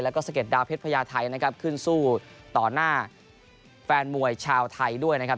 แล้วก็สะเด็ดดาวเพชรพญาไทยนะครับขึ้นสู้ต่อหน้าแฟนมวยชาวไทยด้วยนะครับ